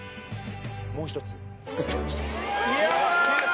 もう一つ作っちゃいました。